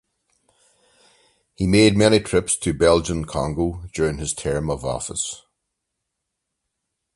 He made many trips to the Belgian Congo during his term of office.